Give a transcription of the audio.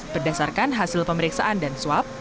berdasarkan hasil pemeriksaan dan swab